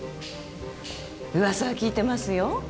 噂は聞いてますよ